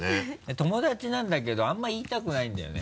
友達なんだけどあんま言いたくないんだよね。